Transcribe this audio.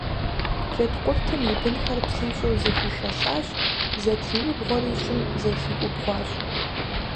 Джэдкъуртым и бынхэр псынщӀэу зэхуишэсащ, зэтриубгъуэри щӀым зэхиӀубгъуащ.